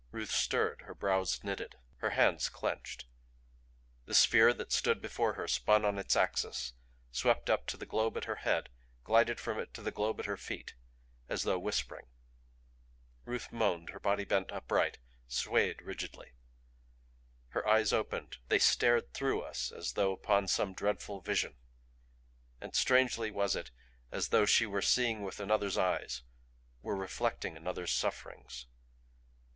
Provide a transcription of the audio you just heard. Ruth stirred; her brows knitted; her hands clenched. The sphere that stood before her spun on its axis, swept up to the globe at her head, glided from it to the globe at her feet as though whispering. Ruth moaned her body bent upright, swayed rigidly. Her eyes opened; they stared through us as though upon some dreadful vision; and strangely was it as though she were seeing with another's eyes, were reflecting another's sufferings.